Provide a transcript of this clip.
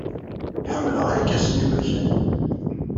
Ḥemmleɣ irkasen iberkanen.